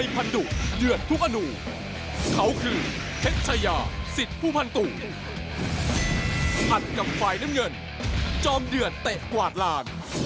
โปรดติดตามตอนต่อไป